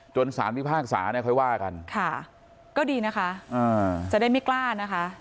สารพิพากษาเนี่ยค่อยว่ากันค่ะก็ดีนะคะจะได้ไม่กล้านะคะ